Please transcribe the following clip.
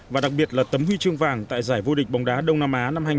và đặc biệt là tấm huy chương vàng tại giải vô địch bóng đá đông nam á năm hai nghìn hai mươi